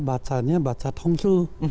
bacanya baca tongsu